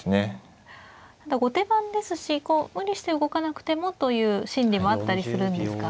後手番ですし無理して動かなくてもという心理もあったりするんですか。